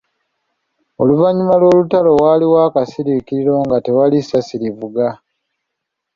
Oluvannyuma lw'olutalo waaliwo akasiriikiriro nga tewali ssasi livuga.